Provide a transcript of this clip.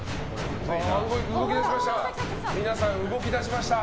動き出しました。